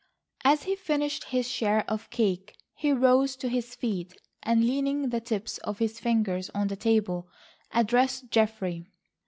As he finished his share of cake, he rose to his feet, and leaning the tips of his fingers on the table, addressed Geoffrey.